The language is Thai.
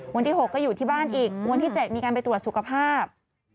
วันที่๖ก็อยู่ที่บ้านอีกวันที่๗มีการไปตรวจสุขภาพ